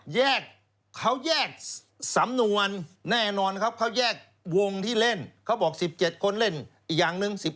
แยกเขาแยกสำนวนแน่นอนครับเขาแยกวงที่เล่นเขาบอก๑๗คนเล่นอีกอย่างหนึ่ง